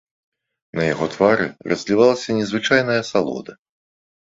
На яго твары разлівалася незвычайная асалода.